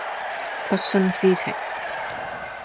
不徇私情